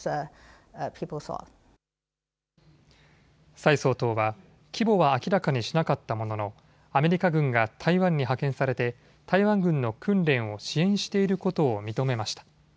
蔡総統は規模は明らかにしなかったもののアメリカ軍が台湾に派遣されて台湾軍の訓練を支援していることを認めました。